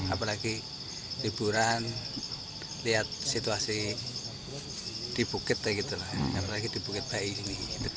apalagi liburan lihat situasi di bukit apalagi di bukit bayi ini